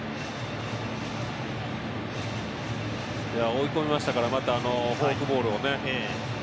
追い込みましたからまたあのフォークボールをね。